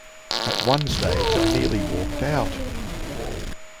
At one stage I nearly walked out.